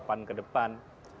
pan ke depan